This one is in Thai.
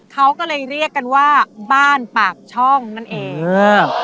เขาก็เลยเรียกกันว่าบ้านปากช่องนั่นเองเออ